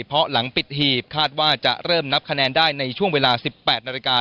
เพราะหลังปิดหีบคาดว่าจะเริ่มนับคะแนนได้ในช่วงเวลา๑๘นาฬิกา